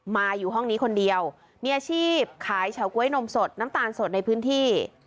มาอยู่ห้องนี้คนเดียวมีอาชีพขายเฉาก๊วยนมสดน้ำตาลสดในพื้นที่